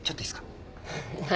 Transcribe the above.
何？